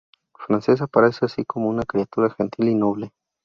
Francesca aparece así como una criatura gentil y noble.